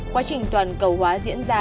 quá trình toàn cầu hóa diễn ra